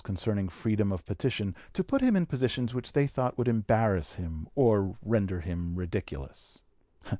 267) concerning freedom of petition to put him in positions which they thought would embarrass him or render him ridiculous.